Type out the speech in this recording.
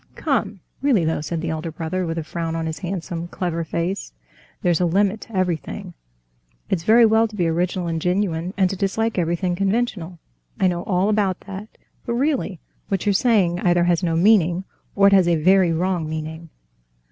"Come, really though," said the elder brother, with a frown on his handsome, clever face, "there's a limit to everything. It's very well to be original and genuine, and to dislike everything conventional—I know all about that; but really, what you're saying either has no meaning, or it has a very wrong meaning.